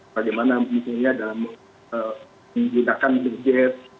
bagaimana intinya dalam menggunakan widget